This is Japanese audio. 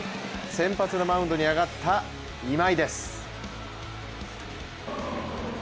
先発のマウンドに上がった今井です。